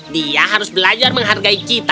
dia harus belajar menghargai kita